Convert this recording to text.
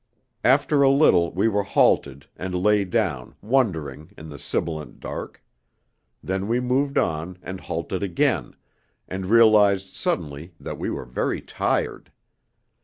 After a little we were halted, and lay down, wondering, in the sibilant dark; then we moved on and halted again, and realized suddenly that we were very tired.